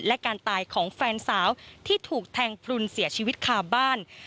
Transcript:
และการตายของแฟนสาวที่ถูกแทงพลุนเสียชีวิตคาบ้าน